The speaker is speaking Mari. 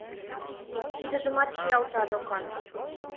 — Тидыжымак чиялта докан.